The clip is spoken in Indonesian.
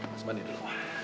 mas mandi dulu